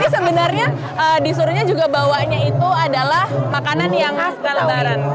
sebenarnya disuruhnya juga bawanya itu adalah makanan yang lebaran